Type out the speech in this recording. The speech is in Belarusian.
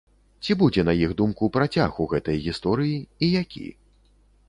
Ці будзе на іх думку працяг у гэтай гісторыі і які?